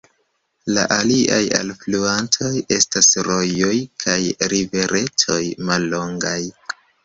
La aliaj alfluantoj estas rojoj kaj riveretoj mallongaj.